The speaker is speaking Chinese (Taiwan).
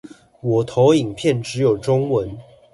我投影片只有中文